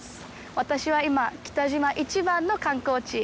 私は今、北島一番の観光地